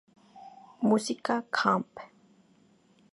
Music Champ".